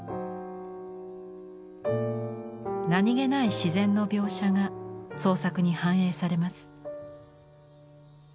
何気ない自然の描写が創作に反映されます。